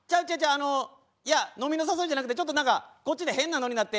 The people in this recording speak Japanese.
あのいや飲みの誘いじゃなくてちょっと何かこっちで変なノリになって。